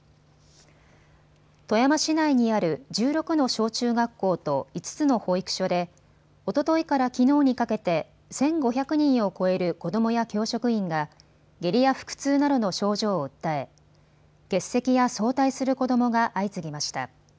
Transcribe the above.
富山市内にある１６の小中学校と５つの保育所でおとといからきのうにかけて１５００人を超える子どもや教職員が下痢や腹痛などの症状を訴え欠席や早退する子どもが相次ぎました。